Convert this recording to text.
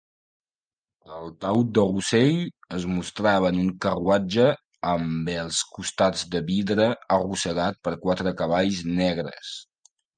El taüt de Russell es mostrava en un carruatge amb els costats de vidre, arrossegat per quatre cavalls negres.